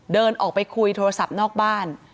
เดินออกไปคุยโทรศัพท์นอกบ้าน